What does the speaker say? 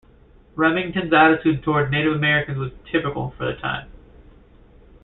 Remington's attitude toward Native Americans was typical for the time.